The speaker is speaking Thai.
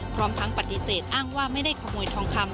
พร้อมทั้งปฏิเสธอ้างว่าไม่ได้ขโมยทองคำ